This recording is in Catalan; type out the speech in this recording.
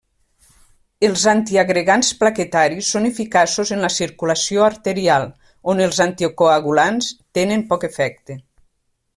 Els antiagregants plaquetaris són eficaços en la circulació arterial, on els anticoagulants tenen poc efecte.